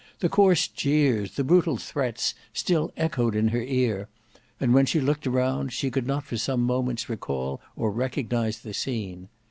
The coarse jeers, the brutal threats, still echoed in her ear; and when she looked around, she could not for some moments recall or recognise the scene.